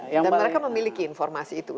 dan mereka memiliki informasi itu